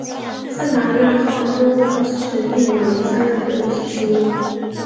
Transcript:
圣玛利亚号的吨位和尺寸并没有留下任何历史记录。